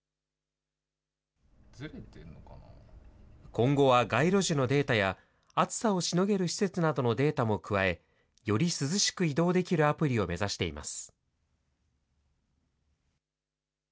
今後は街路樹のデータや、暑さをしのげる施設などのデータも加え、より涼しく移動できるアプリを目指しています。